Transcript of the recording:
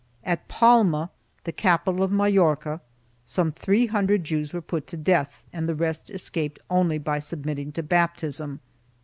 1 At Palma, the capital of Majorca, some three hundred Jews were put to death and the rest escaped only by submitting to baptism.